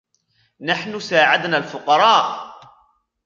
نحن ساعدنا الفقراء.